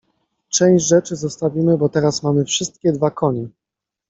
Część rzeczy zostawimy, bo teraz mamy wszystkiego dwa konie.